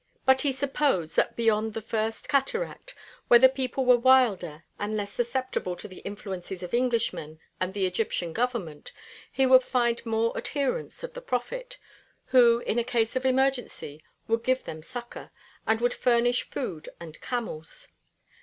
But he supposed that beyond the first cataract, where the people were wilder and less susceptible to the influences of Englishmen and the Egyptian Government, he would find more adherents of the prophet, who in a case of emergency would give them succor, and would furnish food and camels.